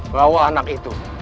bahwa anak itu